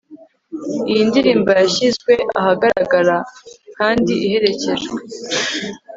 iyi ndirimbo yashyizwe ahagaragara kandi iherekejwe